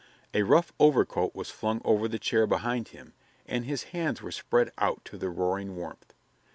A rough overcoat was flung over the chair behind him and his hands were spread out to the roaring warmth.